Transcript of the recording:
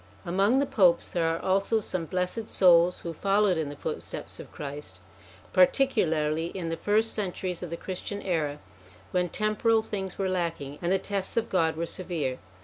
Among the Popes there are also some blessed souls 'who followed in the footsteps of Christ, particularly in the first centuries of the Christian era, when temporal things were lacking and the tests of God were severe.